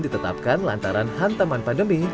ditetapkan lantaran hantaman pandemi